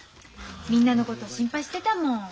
みんなのこと心配してたもん。